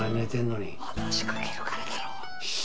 話しかけるからだろ！